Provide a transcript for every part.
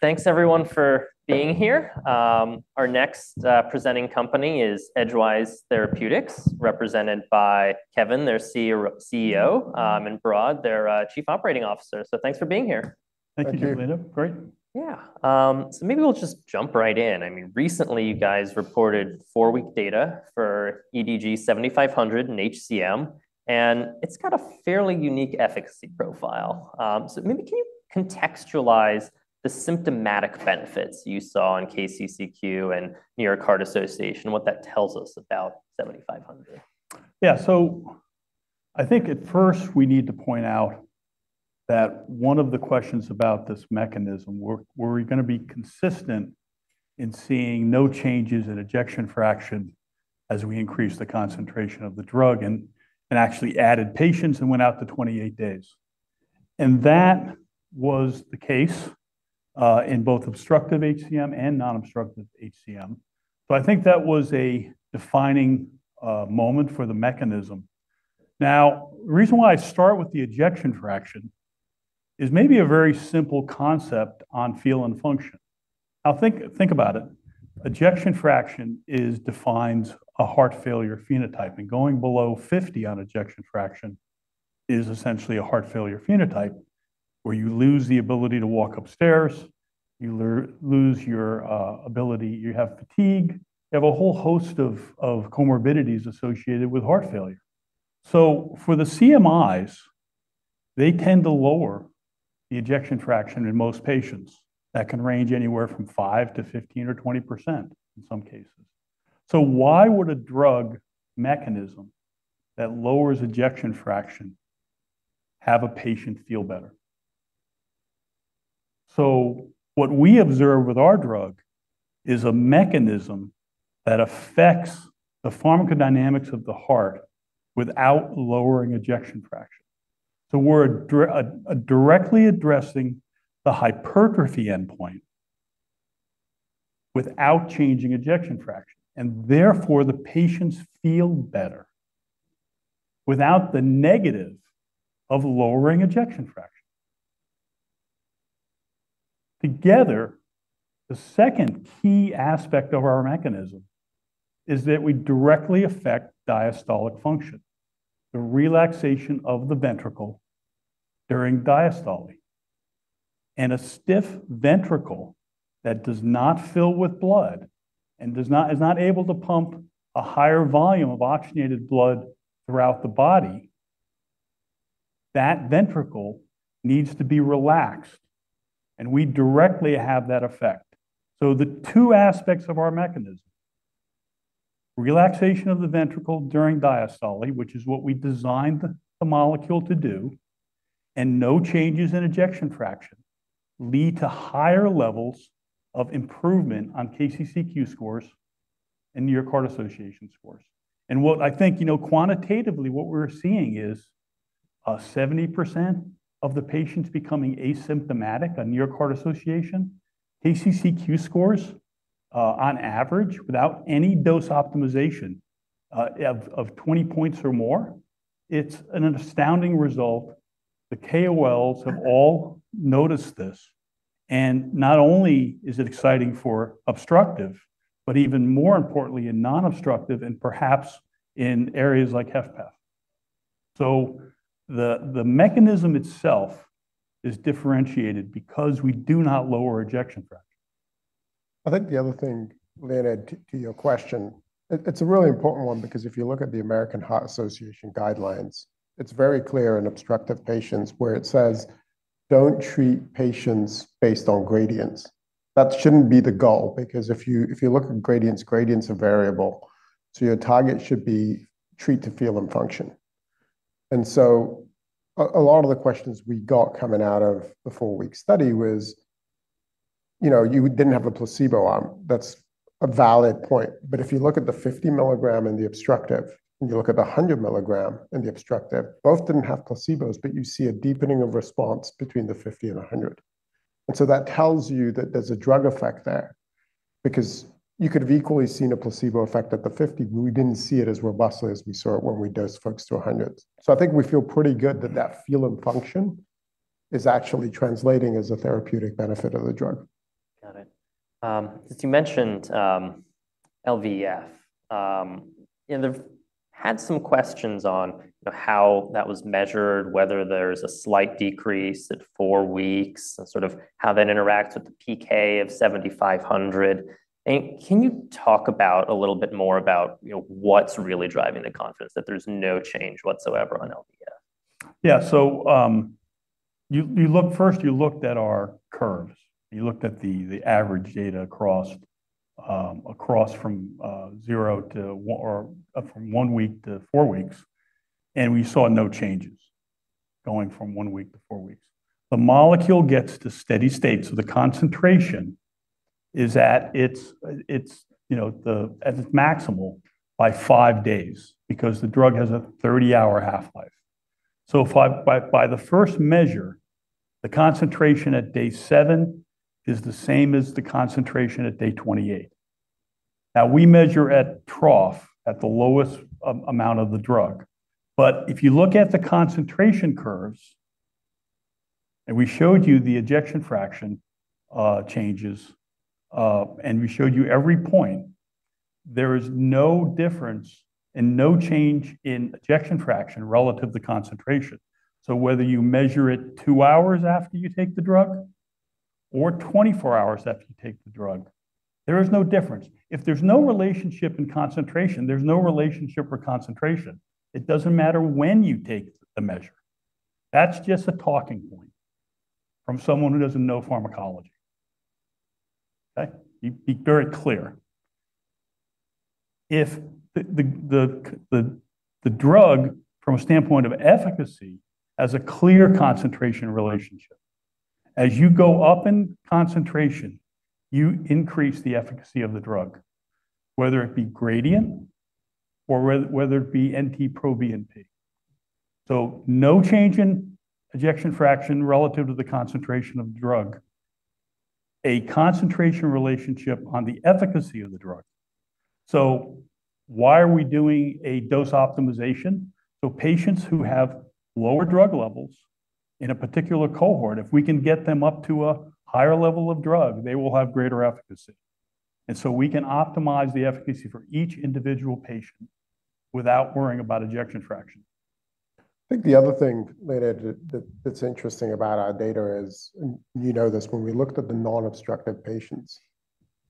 Thanks, everyone, for being here. Our next presenting company is Edgewise Therapeutics, represented by Kevin, their CEO, and Behrad, their Chief Operating Officer. Thanks for being here. Thank you, Leonid, great. Yeah, so maybe we'll just jump right in. I mean, recently, you guys reported four-week data for EDG-7500 in HCM, and it's got a fairly unique efficacy profile. So maybe can you contextualize the symptomatic benefits you saw in KCCQ and New York Heart Association, what that tells us about 7500? Yeah, so I think at first, we need to point out that one of the questions about this mechanism, were we going to be consistent in seeing no changes in ejection fraction as we increase the concentration of the drug, and actually added patients and went out to 28 days. That was the case in both obstructive HCM and non-obstructive HCM. I think that was a defining moment for the mechanism. Now, the reason why I start with the ejection fraction is maybe a very simple concept on feel and function. Now, think about it. Ejection fraction defines a heart failure phenotype, and going below 50% on ejection fraction, is essentially a heart failure phenotype, where you lose the ability to walk upstairs, you lose your ability, you have fatigue, you have a whole host of comorbidities associated with heart failure. For the CMIs, they tend to lower the ejection fraction in most patients. That can range anywhere from 5%-15% or 20% in some cases. Why would a drug mechanism that lowers ejection fraction have a patient feel better? What we observe with our drug is a mechanism that affects the pharmacodynamics of the heart without lowering ejection fraction. We are directly addressing the hypertrophy endpoint without changing ejection fraction, and therefore, the patients feel better without the negative of lowering ejection fraction. The second key aspect of our mechanism is that we directly affect diastolic function. The relaxation of the ventricle during diastole, and a stiff ventricle that does not fill with blood and is not able to pump a higher volume of oxygenated blood throughout the body. That ventricle needs to be relaxed, and we directly have that effect. The two aspects of our mechanism, relaxation of the ventricle during diastole, which is what we designed the molecule to do, and no changes in ejection fraction lead to higher levels of improvement on KCCQ scores and New York Heart Association scores. What I think, you know, quantitatively, what we're seeing is 70% of the patients becoming asymptomatic on New York Heart Association. KCCQ scores, on average, without any dose optimization of 20 points or more, it's an astounding result. The KOLs have all noticed this. Not only is it exciting for obstructive, but even more importantly, in non-obstructive and perhaps in areas like HFpEF. The mechanism itself is differentiated because we do not lower ejection fraction. I think the other thing, Leonid, to your question, it's a really important one because if you look at the American Heart Association guidelines, it's very clear in obstructive patients where it says, don't treat patients based on gradients. That shouldn't be the goal because if you look at gradients, gradients are variable. Your target should be treat to feel and function. A lot of the questions we got coming out of the four-week study was, you know, you didn't have a placebo arm. That's a valid point. If you look at the 50 mg and the obstructive, and you look at the 100 mg and the obstructive, both didn't have placebos, but you see a deepening of response between the 50 mg and 100 mg. That tells you that there's a drug effect there because you could have equally seen a placebo effect at the 50 mg, but we did not see it as robustly as we saw it when we dosed folks to 100 mg. I think we feel pretty good that that feel and function is actually translating as a therapeutic benefit of the drug. Got it. Since you mentioned LVEF, I had some questions on how that was measured, whether there's a slight decrease at four weeks, and sort of how that interacts with the PK of 7500. Can you talk about a little bit more about what's really driving the confidence that there's no change whatsoever on LVEF? Yeah, so you look first, you looked at our curves. You looked at the average data across from zero to one or from one week to four weeks, and we saw no changes going from one week to four weeks. The molecule gets to steady state, so the concentration is at its, you know, at its maximum by five days because the drug has a 30-hour half-life. By the first measure, the concentration at day seven is the same as the concentration at day 28. Now, we measure at trough at the lowest amount of the drug. If you look at the concentration curves, and we showed you the ejection fraction changes, and we showed you every point, there is no difference and no change in ejection fraction relative to the concentration. Whether you measure it two hours after you take the drug or 24 hours after you take the drug, there is no difference. If there is no relationship in concentration, there is no relationship or concentration. It does not matter when you take the measure. That is just a talking point from someone who does not know pharmacology. Okay, be very clear. If the drug, from a standpoint of efficacy, has a clear concentration relationship, as you go up in concentration, you increase the efficacy of the drug, whether it be gradient or whether it be NT-proBNP. No change in ejection fraction relative to the concentration of the drug, a concentration relationship on the efficacy of the drug. Why are we doing a dose optimization? Patients who have lower drug levels in a particular cohort, if we can get them up to a higher level of drug, they will have greater efficacy. We can optimize the efficacy for each individual patient without worrying about ejection fraction. I think the other thing, Leonid, that's interesting about our data is, and you know this, when we looked at the non-obstructive patients,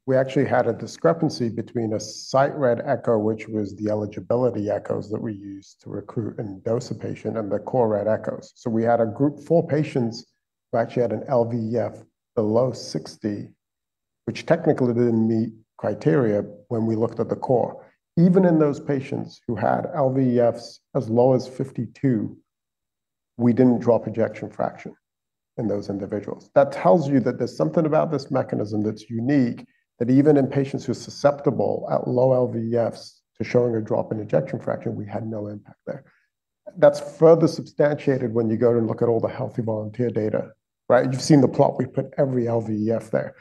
we actually had a discrepancy between a site read echo, which was the eligibility echoes that we use to recruit and dose a patient, and the core read echoes. We had a group of four patients who actually had an LVEF below 60%, which technically did not meet criteria when we looked at the core. Even in those patients who had LVEFs as low as 52%, we did not drop ejection fraction in those individuals. That tells you that there's something about this mechanism that's unique, that even in patients who are susceptible at low LVEFs to showing a drop in ejection fraction, we had no impact there. That's further substantiated when you go and look at all the healthy volunteer data, right? You've seen the plot, we put every LVEF there.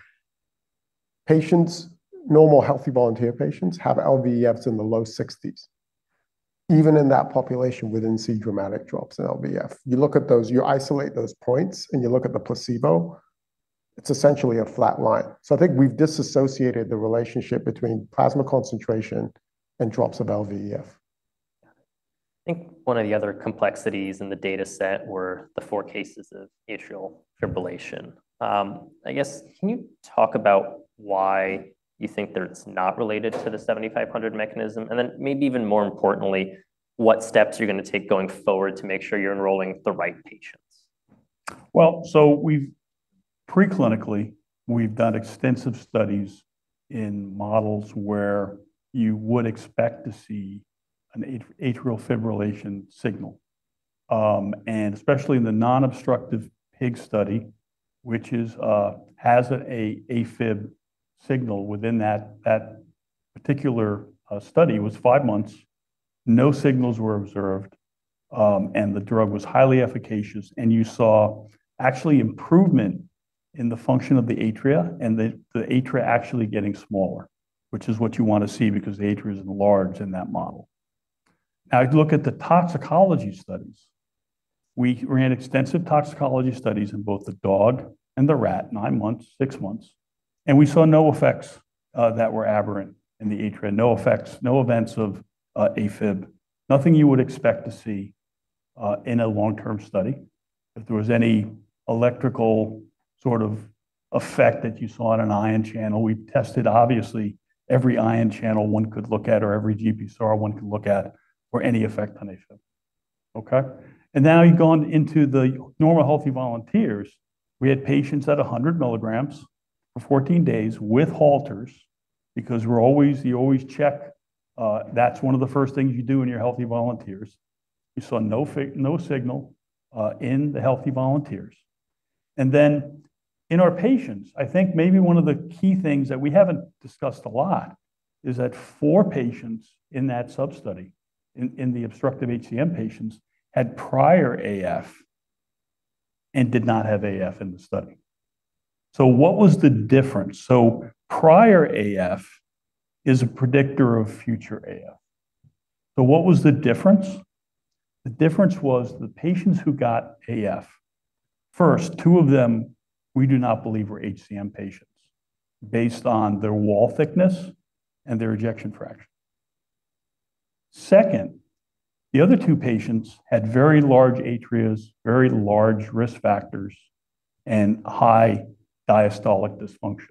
Patients, normal healthy volunteer patients, have LVEFs in the low 60s. Even in that population, within C-dramatic drops in LVEF, you look at those, you isolate those points, and you look at the placebo, it's essentially a flat line. I think we've disassociated the relationship between plasma concentration and drops of LVEF. Got it. I think one of the other complexities in the data set were the four cases of AFib. I guess, can you talk about why you think that it's not related to the 7500 mechanism? Then maybe even more importantly, what steps are you going to take going forward to make sure you're enrolling the right patients? We have preclinically done extensive studies in models where you would expect to see an atrial fibrillation signal. Especially in the non-obstructive pig study, which has an AFib signal within that particular study, it was five months, no signals were observed, and the drug was highly efficacious, and you saw actually improvement in the function of the atria and the atria actually getting smaller, which is what you want to see because the atria is enlarged in that model. Now, if you look at the toxicology studies, we ran extensive toxicology studies in both the dog and the rat, nine months, six months, and we saw no effects that were aberrant in the atria, no effects, no events of AFib, nothing you would expect to see in a long-term study. If there was any electrical sort of effect that you saw in an ion channel, we tested, obviously, every ion channel one could look at, or every GPCR one could look at, for any effect on AFib. Okay? Now you go into the normal healthy volunteers. We had patients at 100 mg for 14 days with holters because you always check, that's one of the first things you do in your healthy volunteers. We saw no signal in the healthy volunteers. In our patients, I think maybe one of the key things that we have not discussed a lot is that four patients in that sub-study, in the obstructive HCM patients, had prior AF and did not have AF in the study. What was the difference? Prior AF is a predictor of future AF. What was the difference? The difference was the patients who got AFib, first, two of them, we do not believe were HCM patients based on their wall thickness and their ejection fraction. Second, the other two patients had very large atrias, very large risk factors, and high diastolic dysfunction.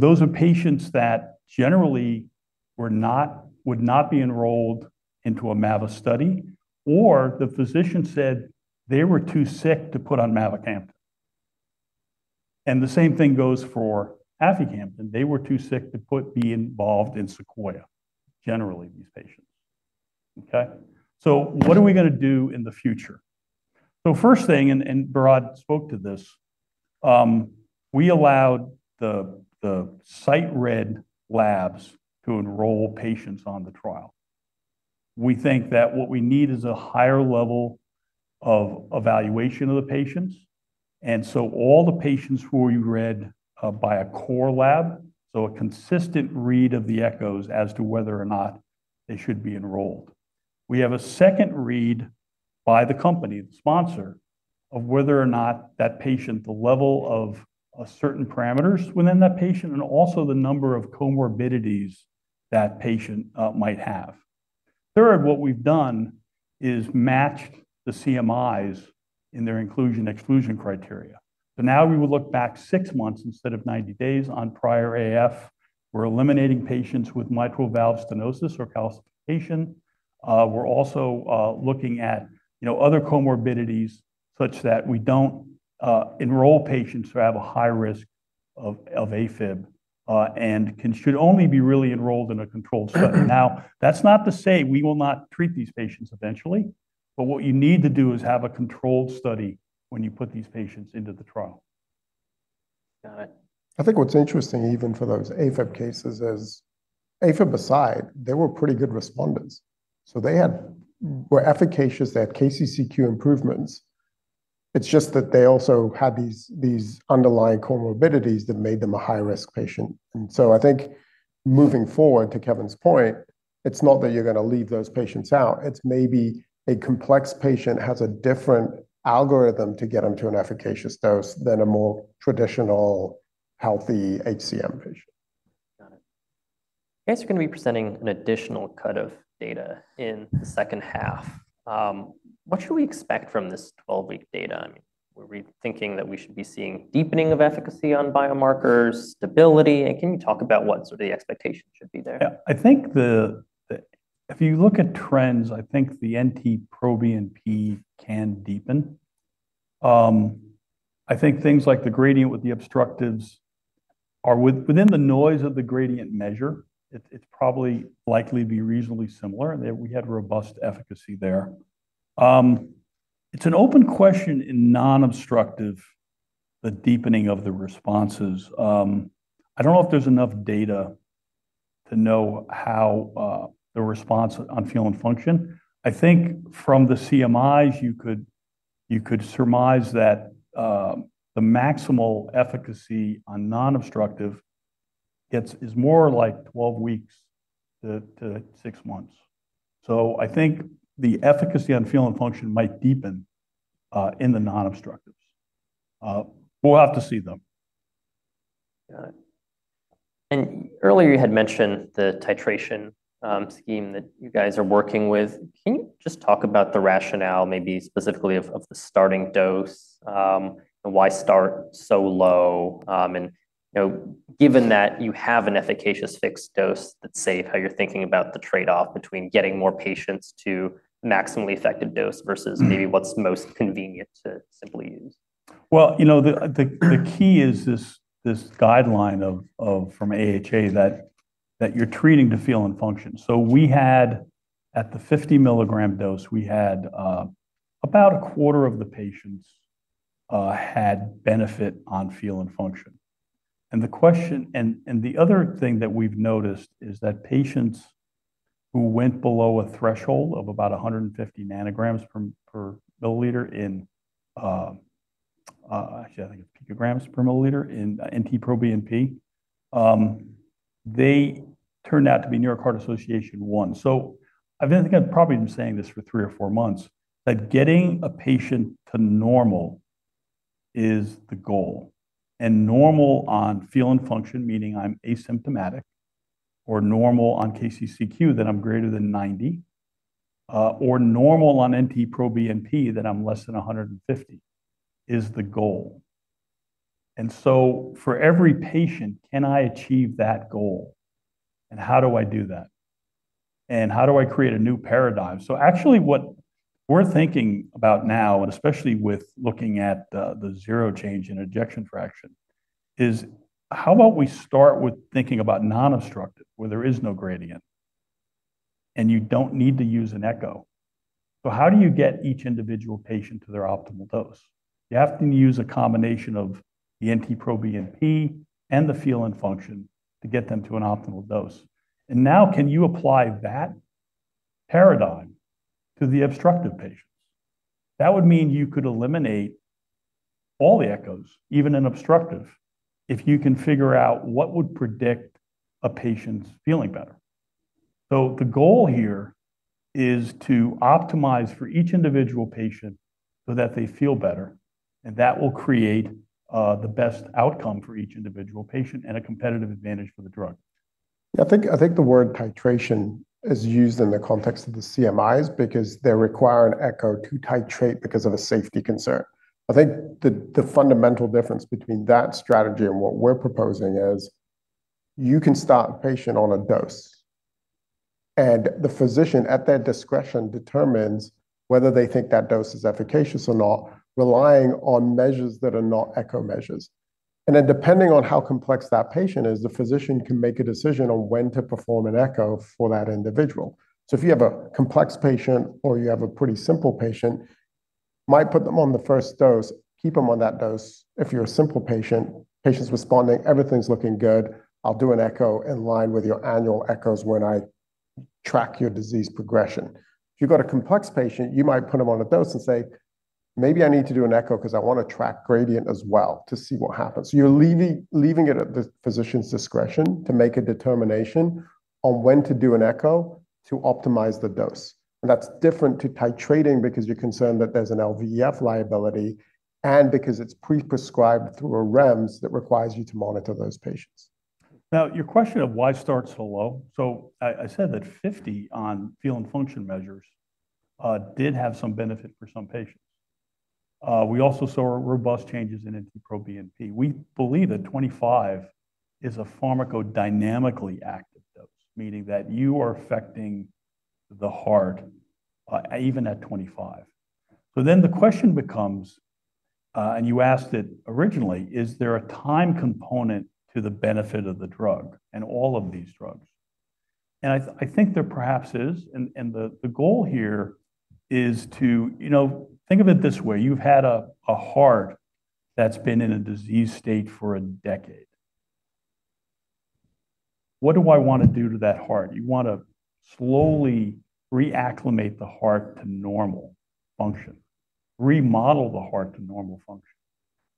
Those are patients that generally would not be enrolled into a Mavacamten study, or the physician said they were too sick to put on Mavacamten. The same thing goes for Aficamten. They were too sick to be involved in Sequoia, generally, these patients. Okay? What are we going to do in the future? First thing, and Behrad spoke to this, we allowed the site read labs to enroll patients on the trial. We think that what we need is a higher level of evaluation of the patients. All the patients were read by a core lab, so a consistent read of the echoes as to whether or not they should be enrolled. We have a second read by the company, the sponsor, of whether or not that patient, the level of certain parameters within that patient, and also the number of comorbidities that patient might have. Third, what we have done is matched the CMIs in their inclusion/exclusion criteria. Now we would look back six months instead of 90 days on prior AF. We are eliminating patients with mitral valve stenosis or calcification. We are also looking at, you know, other comorbidities such that we do not enroll patients who have a high risk of AFib and should only be really enrolled in a controlled study. Now, that's not to say we will not treat these patients eventually, but what you need to do is have a controlled study when you put these patients into the trial. Got it. I think what's interesting even for those AFib cases is AFib aside, they were pretty good respondents. They were efficacious. They had KCCQ improvements. It is just that they also had these underlying comorbidities that made them a high-risk patient. I think moving forward to Kevin's point, it is not that you're going to leave those patients out. It is maybe a complex patient has a different algorithm to get them to an efficacious dose than a more traditional healthy HCM patient. Got it. I guess you're going to be presenting an additional cut of data in the second half. What should we expect from this 12-week data? I mean, were we thinking that we should be seeing deepening of efficacy on biomarkers, stability? Can you talk about what sort of the expectation should be there? Yeah, I think if you look at trends, I think the NT-proBNP can deepen. I think things like the gradient with the obstructives are within the noise of the gradient measure. It's probably likely to be reasonably similar. We had robust efficacy there. It's an open question in non-obstructive, the deepening of the responses. I don't know if there's enough data to know how the response on feel and function. I think from the CMIs, you could surmise that the maximal efficacy on non-obstructive is more like 12 weeks to 6 months. I think the efficacy on feel and function might deepen in the non-obstructives. We'll have to see them. Got it. Earlier you had mentioned the titration scheme that you guys are working with. Can you just talk about the rationale, maybe specifically of the starting dose and why start so low? Given that you have an efficacious fixed dose, that's how you're thinking about the trade-off between getting more patients to maximally effective dose versus maybe what's most convenient to simply use? You know, the key is this guideline from AHA that you're treating to feel and function. We had, at the 50 mg dose, about a quarter of the patients had benefit on feel and function. The question, and the other thing that we've noticed, is that patients who went below a threshold of about 150 pg/mL in NT-proBNP, they turned out to be New York Heart Association 1. I've been thinking, I've probably been saying this for three or four months, that getting a patient to normal is the goal. Normal on feel and function, meaning I'm asymptomatic, or normal on KCCQ, that I'm greater than 90, or normal on NT-proBNP, that I'm less than 150, is the goal. For every patient, can I achieve that goal? How do I do that? How do I create a new paradigm? Actually, what we're thinking about now, especially with looking at the zero change in ejection fraction, is how about we start with thinking about non-obstructive, where there is no gradient, and you do not need to use an echo? How do you get each individual patient to their optimal dose? You have to use a combination of the NT-proBNP and the feel and function to get them to an optimal dose. Now, can you apply that paradigm to the obstructive patients? That would mean you could eliminate all the echoes, even in obstructive, if you can figure out what would predict a patient's feeling better. The goal here is to optimize for each individual patient so that they feel better, and that will create the best outcome for each individual patient and a competitive advantage for the drug. I think the word titration is used in the context of the CMIs because they require an echo to titrate because of a safety concern. I think the fundamental difference between that strategy and what we're proposing is you can start a patient on a dose, and the physician, at their discretion, determines whether they think that dose is efficacious or not, relying on measures that are not echo measures. Then depending on how complex that patient is, the physician can make a decision on when to perform an echo for that individual. If you have a complex patient or you have a pretty simple patient, might put them on the first dose, keep them on that dose. If you're a simple patient, patient's responding, everything's looking good, I'll do an echo in line with your annual echoes when I track your disease progression. If you've got a complex patient, you might put them on a dose and say, maybe I need to do an echo because I want to track gradient as well to see what happens. You're leaving it at the physician's discretion to make a determination on when to do an echo to optimize the dose. That's different to titrating because you're concerned that there's an LVEF liability and because it's pre-prescribed through a REMS that requires you to monitor those patients. Now, your question of why start so low, I said that 50 on feel and function measures did have some benefit for some patients. We also saw robust changes in NT-proBNP. We believe that 25 is a pharmacodynamically active dose, meaning that you are affecting the heart even at 25. The question becomes, and you asked it originally, is there a time component to the benefit of the drug and all of these drugs? I think there perhaps is, and the goal here is to, you know, think of it this way. You have had a heart that has been in a disease state for a decade. What do I want to do to that heart? You want to slowly re-acclimate the heart to normal function, remodel the heart to normal function.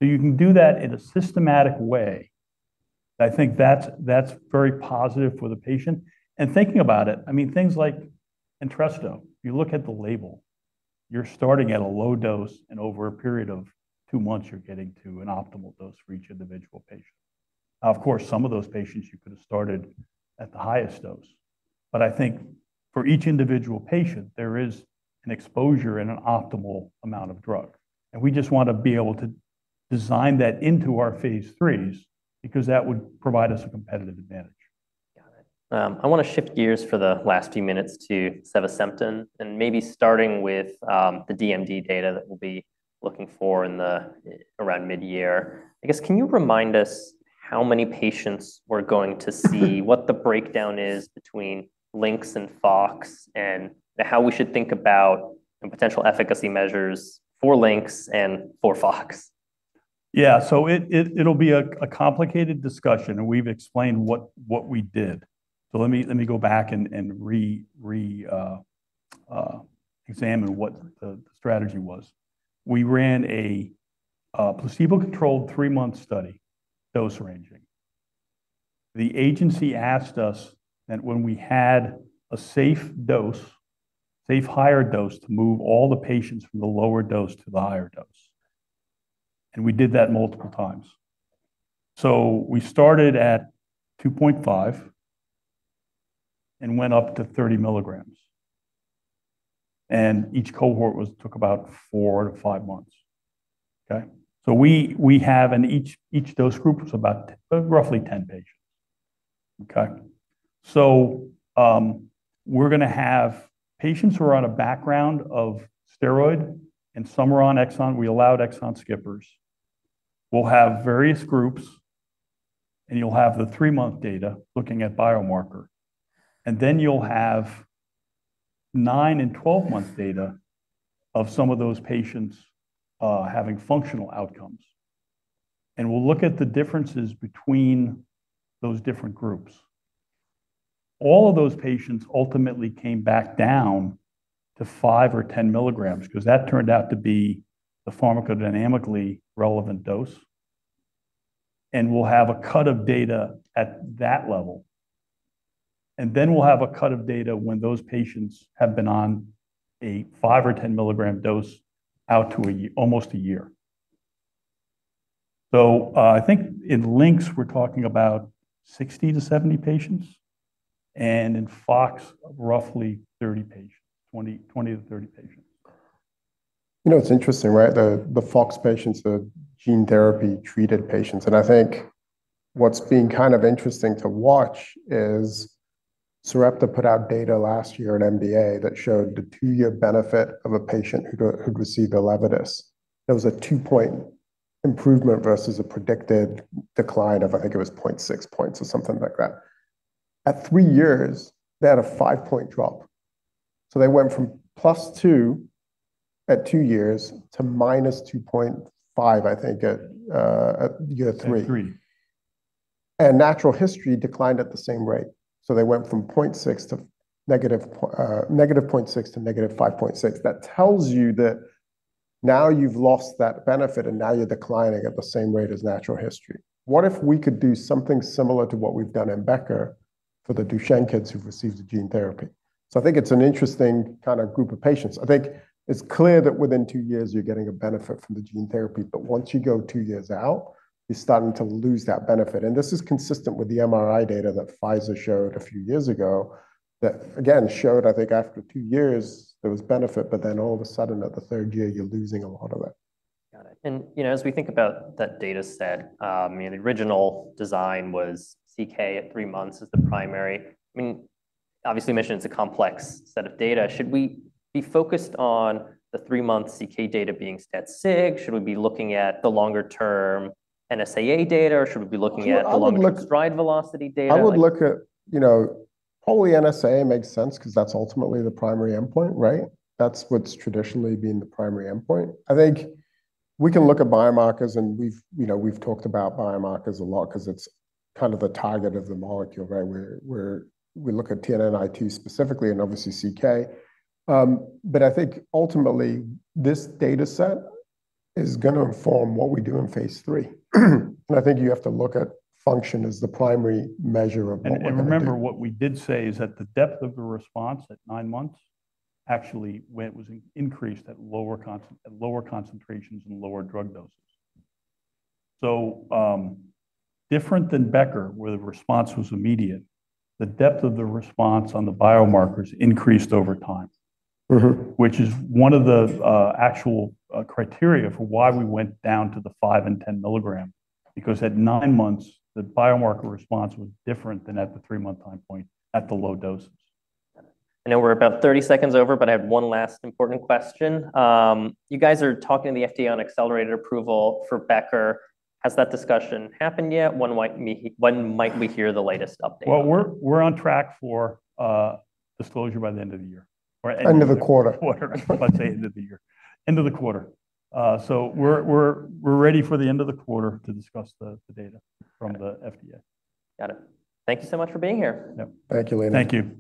You can do that in a systematic way. I think that's very positive for the patient. I mean, things like Entresto, you look at the label, you're starting at a low dose, and over a period of two months, you're getting to an optimal dose for each individual patient. Now, of course, some of those patients you could have started at the highest dose, but I think for each individual patient, there is an exposure and an optimal amount of drug. We just want to be able to design that into our phase threes because that would provide us a competitive advantage. Got it. I want to shift gears for the last few minutes to Sevasemten and maybe starting with the DMD data that we'll be looking for around mid-year. I guess, can you remind us how many patients we're going to see, what the breakdown is between Lynx and Fox, and how we should think about potential efficacy measures for Lynx and for Fox? Yeah, so it'll be a complicated discussion, and we've explained what we did. Let me go back and re-examine what the strategy was. We ran a placebo-controlled three-month study, dose ranging. The agency asked us that when we had a safe dose, safe higher dose, to move all the patients from the lower dose to the higher dose. We did that multiple times. We started at 2.5 and went up to 30 mg. Each cohort took about four to five months. Okay? We have, in each dose group, roughly 10 patients. Okay? We're going to have patients who are on a background of steroid, and some are on EXONDYS 51. We allowed Exon skippers. We'll have various groups, and you'll have the three-month data looking at biomarker. Then you'll have 9 and 12-month data of some of those patients having functional outcomes. We will look at the differences between those different groups. All of those patients ultimately came back down to 5 mg or 10 mg because that turned out to be the pharmacodynamically relevant dose. We will have a cut of data at that level. We will have a cut of data when those patients have been on a 5 mg or 10 mg dose out to almost a year. I think in Lynx, we are talking about 60-70 patients, and in Fox, roughly 30 patients, 20-30 patients. You know, it is interesting, right? The Fox patients are gene therapy treated patients. I think what is being kind of interesting to watch is Sarepta put out data last year at MDA that showed the two-year benefit of a patient who had received Elevidys. There was a two-point improvement versus a predicted decline of, I think it was 0.6 points or something like that. At three years, they had a five-point drop. They went from +2 at two years to -2.5, I think, at year three. Natural history declined at the same rate. They went from -0.6 to -5.6. That tells you that now you've lost that benefit and now you're declining at the same rate as natural history. What if we could do something similar to what we've done in Becker for the Duchenne kids who've received the gene therapy? I think it's an interesting kind of group of patients. I think it's clear that within two years, you're getting a benefit from the gene therapy, but once you go two years out, you're starting to lose that benefit. This is consistent with the MRI data that Pfizer showed a few years ago that, again, showed, I think, after two years, there was benefit, but then all of a sudden, at the third year, you're losing a lot of it. Got it. And, you know, as we think about that data set, I mean, the original design was CK at three months as the primary. I mean, obviously, mission is a complex set of data. Should we be focused on the three-month CK data being static? Should we be looking at the longer-term NSAA data? Or should we be looking at the longer-term stride velocity data? I would look at, you know, probably NSAA makes sense because that's ultimately the primary endpoint, right? That's what's traditionally been the primary endpoint. I think we can look at biomarkers, and we've talked about biomarkers a lot because it's kind of the target of the molecule, right? We look at TNNI2 specifically and obviously CK. I think ultimately, this data set is going to inform what we do in phase III. I think you have to look at function as the primary measure of what we're going to do. Remember, what we did say is that the depth of the response at nine months actually was increased at lower concentrations and lower drug doses. Different than Becker, where the response was immediate, the depth of the response on the biomarkers increased over time, which is one of the actual criteria for why we went down to the 5 mg and 10 mg, because at nine months, the biomarker response was different than at the three-month time point at the low doses. We're about 30 seconds over, but I had one last important question. You guys are talking to the FDA on accelerated approval for Becker. Has that discussion happened yet? When might we hear the latest update? We're on track for disclosure by the end of the year, or end of the quarter. Let's say end of the year. End of the quarter. We're ready for the end of the quarter to discuss the data from the FDA. Got it. Thank you so much for being here. Thank you, Leonid. Thank you.